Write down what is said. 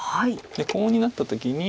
コウになった時に。